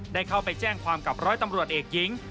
ได้เข้าไปแจ้งความกับร้อยตำรวจเอกหญิง